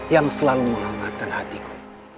yang selalu mengangkatkan hatiku